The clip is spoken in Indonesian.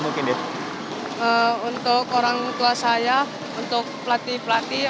untuk orang tua saya untuk pelatih pelatih